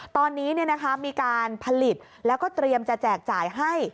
ตอนนี้มีการผลิตแล้วก็เตรียมจะแจกจ่ายให้